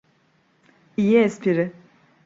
İyi espri.